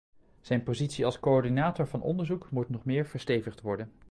Zijn positie als coördinator van onderzoek moet nog meer verstevigd worden.